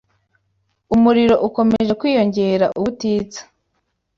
umuriro ukomeje kwiyongera ubutitsa